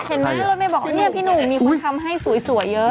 เห็นมั้ยรถแม่บอกว่านี่พี่หนูมีคนทำให้สวยเยอะ